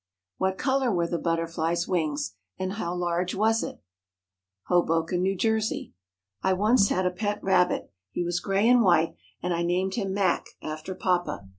What color were the butterfly's wings, and how large was it? HOBOKEN, NEW JERSEY. I once had a pet rabbit. He was gray and white, and I named him Mac, after papa.